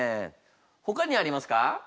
ほかにありますか？